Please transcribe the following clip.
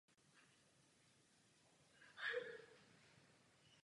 Jde o skandální praktiky a.